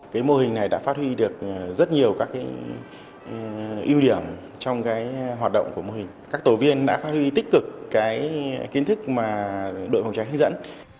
cái mô hình này đã phát huy được rất nhiều các cái ưu điểm trong cái hoạt động của mô hình các tổ viên đã phát huy tích cực cái kiến thức mà đội phòng cháy hướng dẫn